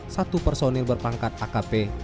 satu personil berpangkat akp